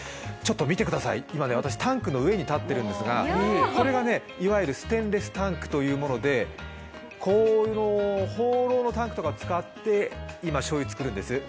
見てください、今、タンクの上に立っているんですがこれがいわゆるステンレスタンクというものでホーローのタンクとかを使って今、しょうゆを作るんです。